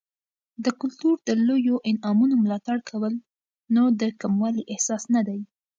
د کلتور د لویو انعامونو ملاتړ کول، نو د کموالي احساس نه دی.